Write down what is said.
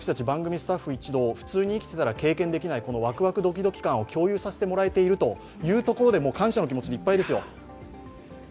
番組スタッフ一同、普通に生きていたら経験できないワクワクドキドキ感を共有させてもらえているというところでもう感謝の気持ちでいっぱいですよ。